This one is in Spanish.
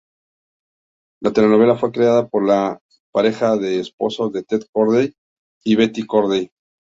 La telenovela fue creada por la pareja de esposos Ted Corday y Betty Corday.